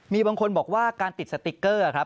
มีบางคนบอกว่าการติดสติ๊กเกอร์ครับ